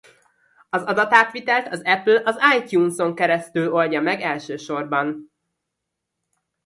Az adatátvitelt az Apple az iTunes-on keresztül oldja meg elsősorban.